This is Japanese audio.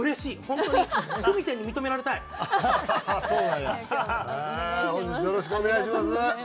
本日よろしくお願いします。